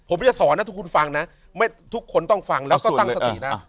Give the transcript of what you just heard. ผมจะสอนให้ทุกคนฟังนะทุกคนต้องฟังแล้วก็ตั้งสตินะ